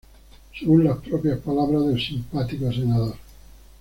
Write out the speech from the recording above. Según las propias palabras del simpático senador